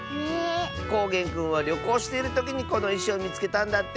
こうげんくんはりょこうしているときにこのいしをみつけたんだって！